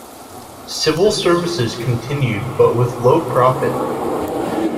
Civil services continued but with low profit.